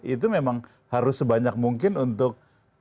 itu memang harus sebanyak mungkin untuk